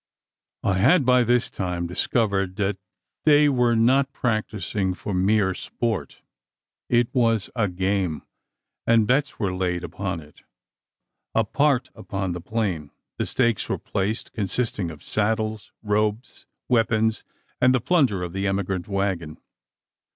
I had by this time discovered that they were not practising for mere sport. It was a game, and bets were laid, upon it. Apart upon the plain, the stakes were placed, consisting of saddles, robes, weapons, and the plunder of the emigrant waggon.